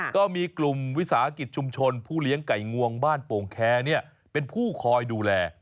ก็มีกลุ่มวิสาหกิจชุมชนผู้เลี้ยงไก่งวงบ้านโป่งแคร์เป็นผู้คอยดูแล